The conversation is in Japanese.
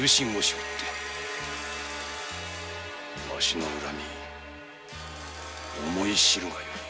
ワシの恨み思い知るがよい。